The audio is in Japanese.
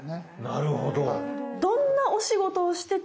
なるほど。